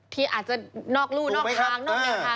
ที่อาจจะนอกรู้นอกทางนอกแนวทางหรือเปล่า